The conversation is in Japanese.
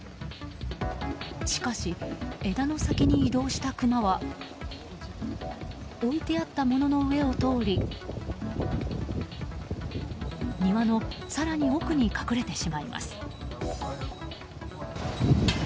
しかし、枝の先に移動したクマは置いてあったものの上を通り庭の更に奥に隠れてしまいます。